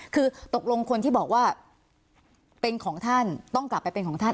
คือตกลงคนที่บอกว่าเป็นของท่านต้องกลับไปเป็นของท่าน